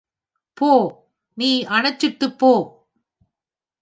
போ, நீ அனைச்சுட்டுப் போ.